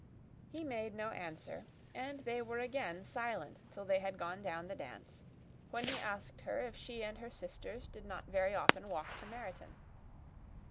He made no answer; and they were again silent till they had gone down the dance, when he asked her if she and her sisters did not very often walk to Meryton.